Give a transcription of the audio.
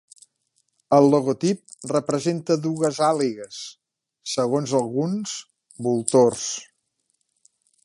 El logotip representa dues àligues; segons alguns, voltors.